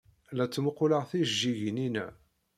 La ttmuqquleɣ tijejjigin-inna.